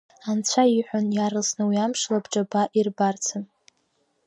Анцәа иҳәон иаарласны уи амш лабҿаба ирбарцы.